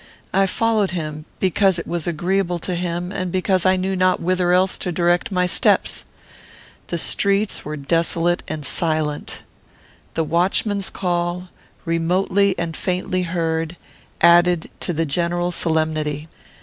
I followed him because it was agreeable to him and because I knew not whither else to direct my steps. The streets were desolate and silent. The watchman's call, remotely and faintly heard, added to the general solemnity.